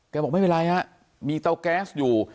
บอกไม่เป็นไรฮะมีเตาแก๊สอยู่